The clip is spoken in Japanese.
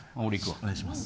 お願いします。